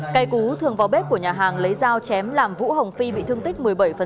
cây cú thường vào bếp của nhà hàng lấy dao chém làm vũ hồng phi bị thương tích một mươi bảy